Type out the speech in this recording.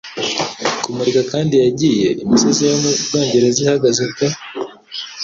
Kumurika kandi yagiye; imisozi yo mu Bwongereza ihagaze pe